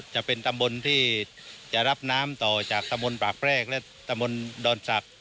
จะเป็นตำบลที่จะรับน้ำต่อจากตำบลปากแพรกและตำบลดอนศักดิ